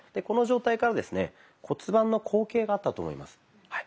この状態からですね骨盤の後傾があったと思います。